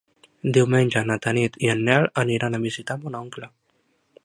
Diumenge na Tanit i en Nel aniran a visitar mon oncle.